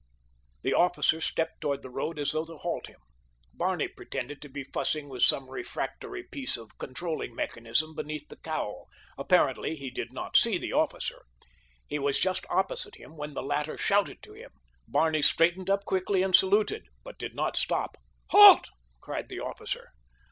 The officer stepped toward the road as though to halt him. Barney pretended to be fussing with some refractory piece of controlling mechanism beneath the cowl—apparently he did not see the officer. He was just opposite him when the latter shouted to him. Barney straightened up quickly and saluted, but did not stop. "Halt!" cried the officer.